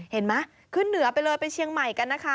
เห็นไหมขึ้นเหนือไปเลยไปเชียงใหม่กันนะคะ